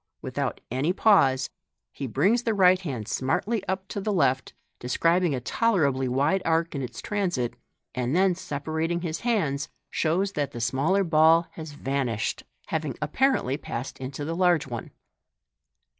Without any pause, he brings the right hand smartly up to the left, describing a tolerably wide arc in its transit, and then, sepa rating his hands, shows that the smaller ball has vanished, having apparently passed into the large one.